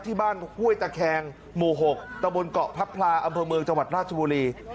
ห้วยตะแคงหมู่๖ตะบนเกาะพับพลาอำเภอเมืองจังหวัดราชบุรี